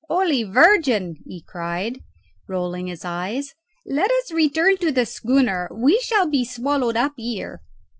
"Holy Virgin!" he cried, rolling his eyes. "Let us return to the schooner. We shall be swallowed up here."